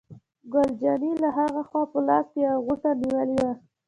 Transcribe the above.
ګل جانې له ها خوا په لاس کې یوه غوټه نیولې وه.